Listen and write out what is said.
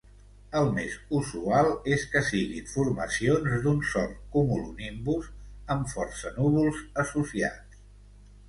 El més usual és que siguin formacions d'un sol cumulonimbus amb força núvols associats.